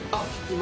今？